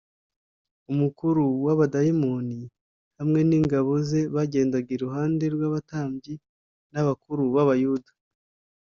umukuru w’abadayimoni hamwe n’ingabo ze bagendaga iruhande rw’abatambyi n’abakuru b’abayuda